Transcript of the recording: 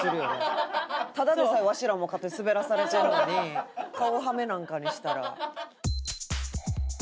ただでさえわしらも勝手にスベらされてるのに顔はめなんかにしたら。